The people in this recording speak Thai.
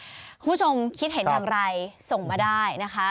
คุณผู้ชมคิดเห็นอย่างไรส่งมาได้นะคะ